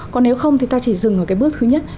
còn nếu không thì ta chỉ dừng ở cái bước thứ nhất